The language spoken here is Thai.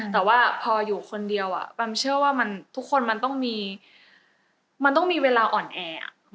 แต่ว่าพออยู่คนเดียวอะผมเชื่อว่าทุกคนมันต้องมีเวลาอ่อนแอ